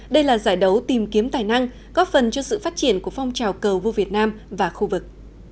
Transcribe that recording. đây là giải đấu tìm kiếm tài năng góp phần cho sự phát triển của phong trào cờ vua việt nam và khu vực